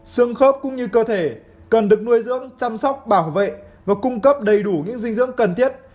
xương khớp cũng như cơ thể cần được nuôi dưỡng chăm sóc bảo vệ và cung cấp đầy đủ những dinh dưỡng cần thiết